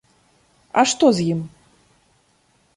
А што з ім?